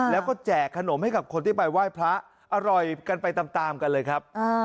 แล้วก็แจกขนมให้กับคนที่ไปไหว้พระอร่อยกันไปตามกันเลยครับ